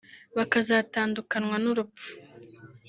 bakazatandukanwa n’urupfu